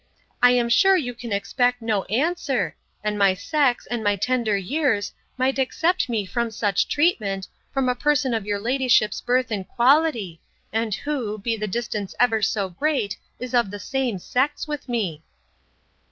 —I am sure you can expect no answer; and my sex, and my tender years, might exempt me from such treatment, from a person of your ladyship's birth and quality, and who, be the distance ever so great, is of the same sex with me.